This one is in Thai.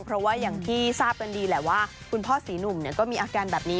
เพราะว่าอย่างที่ทราบกันดีแหละว่าคุณพ่อศรีหนุ่มก็มีอาการแบบนี้